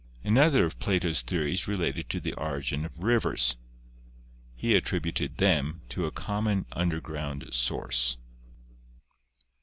Another of Plato's the ories related to the origin of rivers. He attributed them all to a common underground source.